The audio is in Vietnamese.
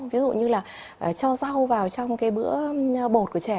ví dụ như là cho rau vào trong cái bữa bột của chè